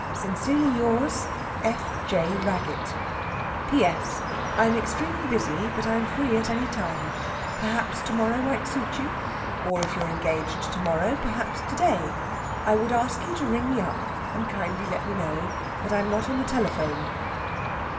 'Sincerely yours, 'F. J. RAGGETT 'P.S. I'm extremely busy, but am free at any time. Perhaps tomorrow might suit you? Or if you're engaged tomorrow, perhaps today? I would ask you to ring me up and kindly let me know, but I'm not on the telephone.'